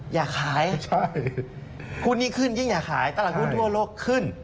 อยากขายใช่หุ้นนี้ขึ้นยิ่งอย่าขายตลาดหุ้นทั่วโลกขึ้น